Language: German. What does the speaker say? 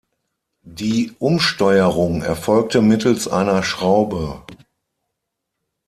Die Umsteuerung erfolgte mittels einer Schraube.